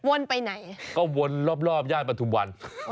ไปไหนก็วนรอบย่านปฐุมวัน